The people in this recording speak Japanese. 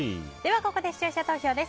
ここで視聴者投票です。